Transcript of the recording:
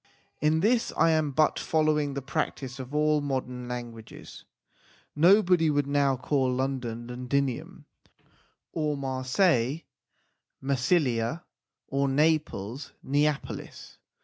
In this I am but following the practice of all modern languages. Nobody would now call London Londinium, or Marseilles Massilia, or Naples Neapolis.